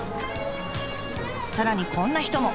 さらにこんな人も。